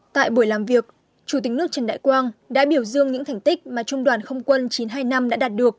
tại buổi làm việc chủ tịch nước trần đại quang đã biểu dương những thành tích mà trung đoàn không quân chín trăm hai mươi năm đã đạt được